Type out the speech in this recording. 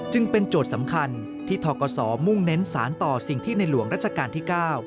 จึงเป็นโจทย์สำคัญที่ทกศมุ่งเน้นสารต่อสิ่งที่ในหลวงรัชกาลที่๙